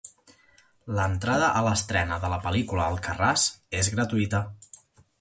L'entrada a l'estrena de la pel·lícula "Alcarràs" és gratuïta.